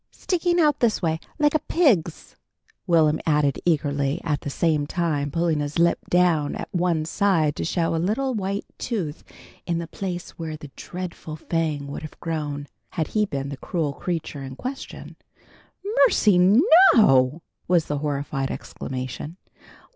"Sticking out this way, like a pig's," Will'm added eagerly, at the same time pulling his lip down at one side to show a little white tooth in the place where the dreadful fang would have grown, had he been the cruel creature in question. "Mercy, no!" was the horrified exclamation.